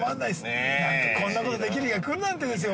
なんか、こんなことできる日が来るなんてですよ